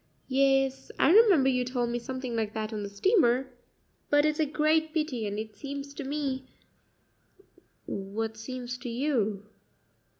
"Yes; I remember you told me something like that on the steamer; but it's a great pity, and it seems to me " "What seems to you?"